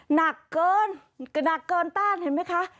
หนักเกินต้านเห็นไหมคะ